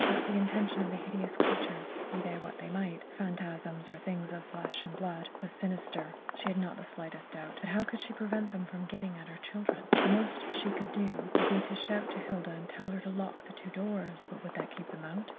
That the intention of these hideous creatures be they what they might phantasms or things of flesh and blood was sinister, she had not the slightest doubt; but how could she prevent them getting at her children? The most she could do would be to shout to Hilda and tell her to lock the two doors. But would that keep them out?